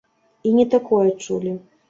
І не такое чулі.